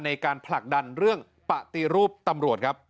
ในการผลักดันเรื่องปฏิรูปตำรวจครับ